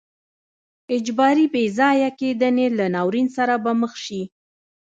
اجباري بې ځای کېدنې له ناورین سره به مخ شي.